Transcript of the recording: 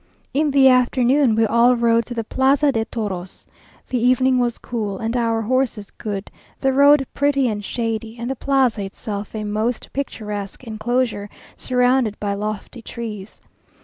In the afternoon we all rode to the Plaza de Toros. The evening was cool, and our horses good, the road pretty and shady, and the plaza itself a most picturesque enclosure, surrounded by lofty trees.